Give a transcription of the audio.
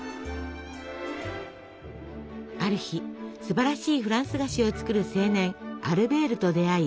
ある日すばらしいフランス菓子を作る青年アルベールと出会い